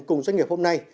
cùng doanh nghiệp hôm nay